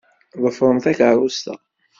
Ḍefṛem takeṛṛust-a.